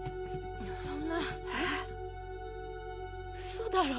そんなウソだろ。